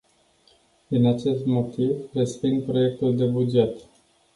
Din acest motiv, resping proiectul de buget.